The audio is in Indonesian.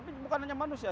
dan berakhirnya manusia